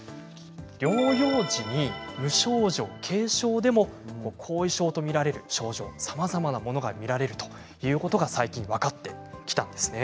療養時に無症状、軽症でも後遺症と見られる症状がさまざまなものが見られるということが最近分かってきたんです。